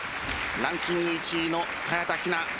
ランキング１位の早田ひな。